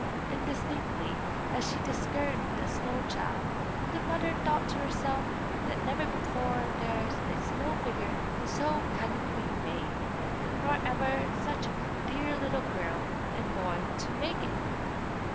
Indistinctly as she discerned the snow child, the mother thought to herself that never before was there a snow figure so cunningly made, nor ever such a dear little girl and boy to make it.